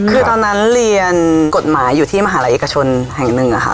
คือตอนนั้นเรียนกฎหมายอยู่ที่มหาลัยเอกชนแห่งหนึ่งค่ะ